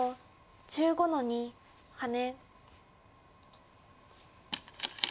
黒１７の二ハイ。